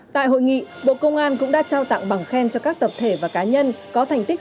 tại hội nghị bộ công an cũng đã trao tặng bằng khen cho các tập thể và cá nhân có thành tích